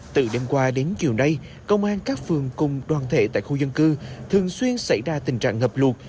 từ đêm qua đến chiều nay công an các phường cùng đoàn thể tại khu dân cư thường xuyên xảy ra tình trạng ngập lụt